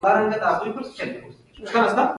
ده ځانګړې کلتوري يا مذهبي ورځو